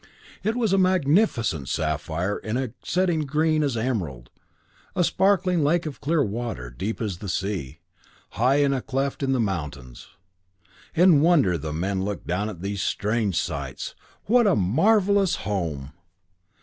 It was a magnificent sapphire in a setting green as emerald, a sparkling lake of clear water, deep as the sea, high in a cleft in the mountains. In wonder the men looked down at these strange sights. What a marvelous home!